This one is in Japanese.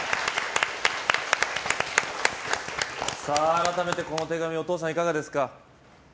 改めてこの手紙お父さんいかがですか。